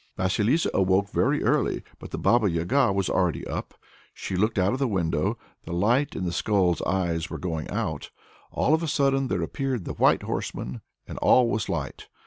Vasilissa awoke very early, but the Baba Yaga was already up. She looked out of the window. The light in the skull's eyes was going out. All of a sudden there appeared the white horseman, and all was light.